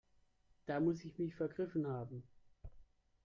Da muss ich mich vergriffen haben.